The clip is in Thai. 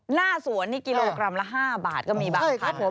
หน้าสวนนี่กิโลกรัมละ๕บาทก็มีบางพัด